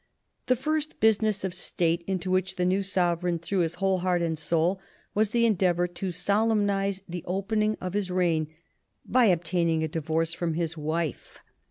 The first business of State into which the new sovereign threw his whole heart and soul was the endeavor to solemnize the opening of his reign by obtaining a divorce from his wife.